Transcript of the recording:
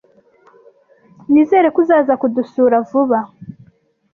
Nizere ko uzaza kudusura vuba.